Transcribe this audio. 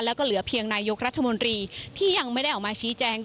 แล้วก็เหลือเพียงนายกรัฐมนตรีที่ยังไม่ได้ออกมาชี้แจง